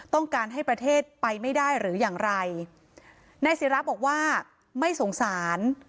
ต้องการให้ประเทศไปไม่ได้หรืออย่างไรนายศิราบอกว่าไม่สงสาร